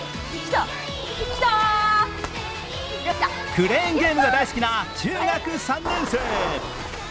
クレーンゲームが大好き中学３年生。